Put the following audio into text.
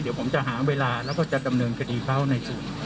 เดี๋ยวผมจะหาเวลาแล้วก็จะดำเนินคดีเขาในส่วน